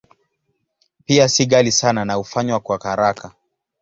Pia si ghali sana na hufanywa kwa haraka.